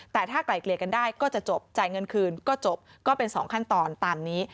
แต่ถ้าไกลเกลี่ยกันได้ก็จะจบจ่ายเงินคืนก็จบก็เป็น๒ขั้นตอนตามนี้